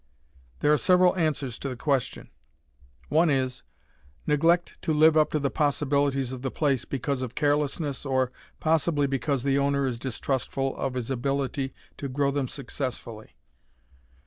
There are several answers to the question. One is: Neglect to live up to the possibilities of the place because of carelessness, or possibly because the owner is distrustful of his ability to grow them successfully.